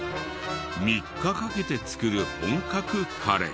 ３日かけて作る本格カレー。